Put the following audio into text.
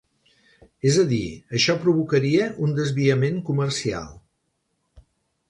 És a dir, això provocaria un desviament comercial.